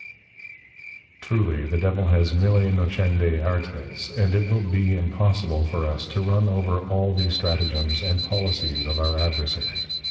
_] Truly, the Devil has Mille Nocendi Artes; and it will be impossible for us, to run over all the Stratagems and Policies of our Adversary.